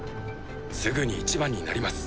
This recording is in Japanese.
すぐに１番になります。